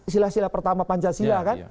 silah silah pertama panjang silah kan